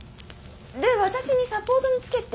で私にサポートにつけって？